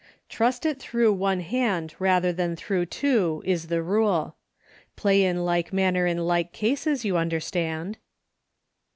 Trust it through one hand rather than two is the rule. Play in like manner in like cases, you understand.